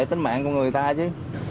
tính mạng của người ta chứ